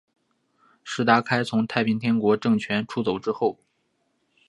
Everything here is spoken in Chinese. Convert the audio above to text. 石达开从太平天国政权出走之后。